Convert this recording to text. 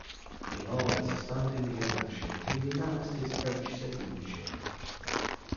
In order to stand in the election, he renounced his French citizenship.